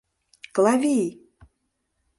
Клавий!